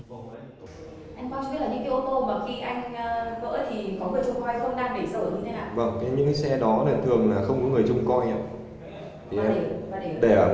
anh quang cho biết là những cái ô tô mà khi anh vỡ thì có người trông coi không đang để sở như thế nào